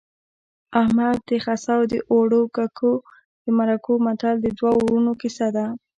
احمد د خسو د اوړو ککو د مرکو متل د دوو ورونو کیسه ده